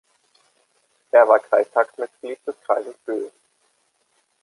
Er war Kreistagsmitglied des Kreises Bühl.